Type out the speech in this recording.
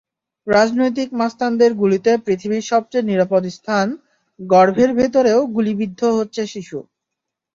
রাজনৈতিক মাস্তানদের গুলিতে পৃথিবীর সবচেয়ে নিরাপদ স্থান—গর্ভের ভেতরও গুলিবিদ্ধ হচ্ছে শিশু।